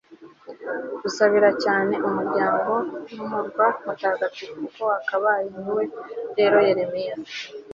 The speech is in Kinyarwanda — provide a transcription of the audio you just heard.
usabira cyane umuryango n'umurwa mutagatifu uko wakabaye; ni we rero yeremiya